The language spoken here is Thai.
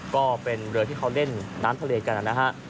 ก็เป็นเรือที่เขาเล่นน้ำทะเลกันนะฮะ